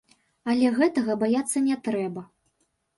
Але гэтага баяцца не трэба.